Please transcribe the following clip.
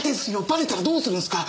ばれたらどうするんすか？